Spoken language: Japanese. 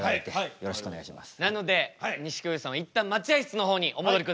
よろしくお願いします。